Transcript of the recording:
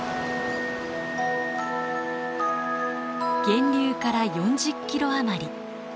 源流から４０キロ余り。